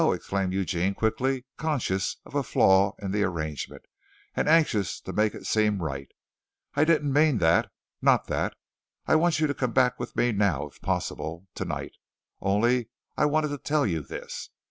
exclaimed Eugene quickly, conscious of a flaw in the arrangement, and anxious to make it seem right. "I didn't mean that. Not that. I want you to come back with me now, if possible, tonight, only I wanted to tell you this.